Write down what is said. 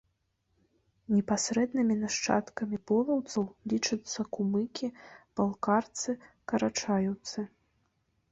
Непасрэднымі нашчадкамі полаўцаў лічацца кумыкі, балкарцы, карачаеўцы.